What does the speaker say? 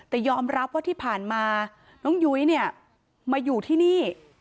แต่ยอมรับว่าที่ผ่านมาน้องยุ้ยเนี่ยมาอยู่ที่นี่